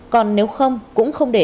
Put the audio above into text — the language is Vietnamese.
còn nếu không cũng không để